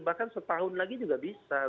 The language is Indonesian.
bahkan setahun lagi juga bisa